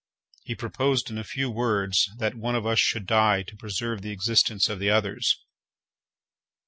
He proposed, in a few words, that one of us should die to preserve the existence of the others.